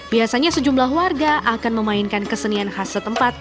biasanya sejumlah warga akan memainkan kesenian khas setempat